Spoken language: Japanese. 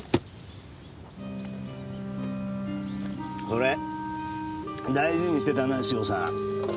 それ大事にしてたな塩さん。